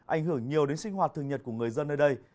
ảnh hưởng nhiều đến sinh hoạt thường nhật của người dân nơi đây